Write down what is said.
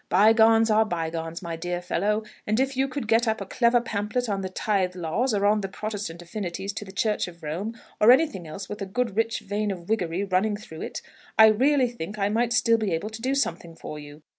By gones are by gones, my dear fellow; and if you could get up a clever pamphlet on the Tithe Laws, or on the Protestant affinities to the Church of Rome, or anything else with a good rich vein of whiggery running through it, I really think I might still be able to do something for you.